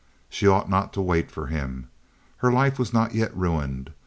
She ought not to wait for him. Her life was not yet ruined.